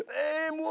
もう。